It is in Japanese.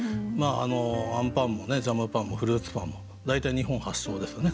あのあんパンもジャムパンもフルーツパンも大体日本発祥ですよね。